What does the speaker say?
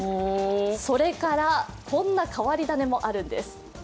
それからこんな変わり種もあるんです。